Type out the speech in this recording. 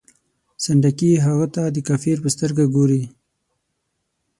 سنډکي هغه ته د کافر په سترګه ګوري.